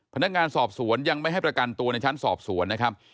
พนักงานสอบสวนยังไม่ให้ประกันตัวในชั้นสอบสวนนะครับ